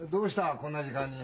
こんな時間に。